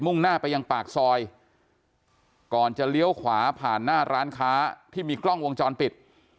่งหน้าไปยังปากซอยก่อนจะเลี้ยวขวาผ่านหน้าร้านค้าที่มีกล้องวงจรปิด